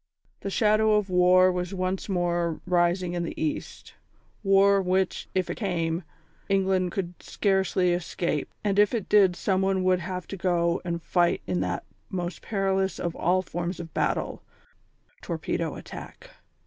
The shadow of war was once more rising in the East war which, if it came, England could scarcely escape, and if it did Someone would have to go and fight in that most perilous of all forms of battle, torpedo attack.